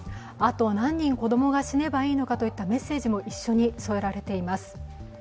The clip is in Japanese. あと、何人子供が死ねばいいのかというメッセージも一緒に添えられています。